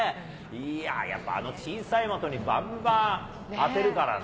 いや、やっぱりあの小さい的にばんばん当てるからな。